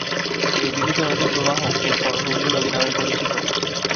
এই মিলিত নদী প্রবাহ এর পর হুগলি নদী নামে পরিচিত।